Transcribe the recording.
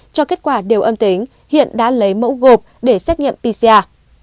cho kết quả đều âm tính hiện đã lấy mẫu gộp để xét nghiệm pcr